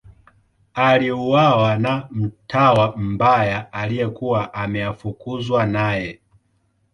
Aliuawa na mtawa mbaya aliyekuwa ameafukuzwa naye.